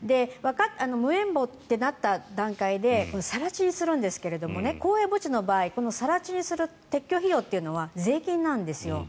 無縁墓ってなった段階で更地にするんですけれども公営墓地の場合はこの更地にする撤去費用というのは税金なんですよ。